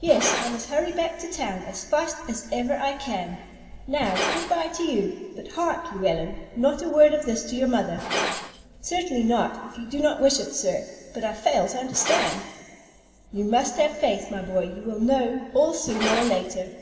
"Yes; I must hurry back to town as fast as ever I can. Now, good by to you; but hark, Llewellyn, not a word of this to your mother." "Certainly not, if you do not wish it, sir; but I fail to understand." "You must have faith, my boy. You will know all sooner or later."